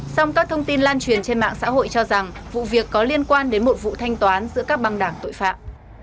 xong các thông tin lan truyền trên mạng xã hội cho rằng vụ việc có liên quan đến một vụ thanh toán giữa các băng đảng tội phạm